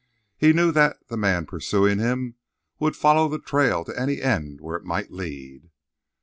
He knew that the man pursuing him would follow the trail to any end where it might lead.